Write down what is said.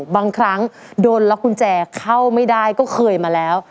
บางครั้งโดนล็อกกุญแจเข้าไม่ได้ก็เคยมาแล้ว